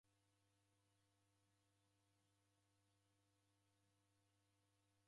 W'ebonya mwandu ghwa'wo isanga izima.